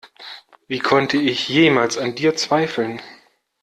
Wie konnte ich jemals an dir zweifeln?